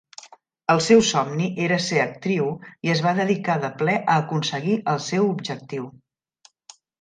El seu somni era ser actriu i es va dedicar de ple a aconseguir el seu objectiu.